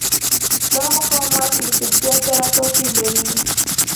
دا مقاومت له چوپتیا سره توپیر لري.